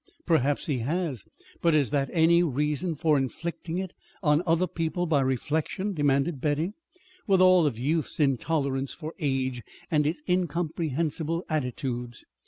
"Perhaps he has. But is that any reason for inflicting it on other people by reflection?" demanded Betty, with all of youth's intolerance for age and its incomprehensible attitudes.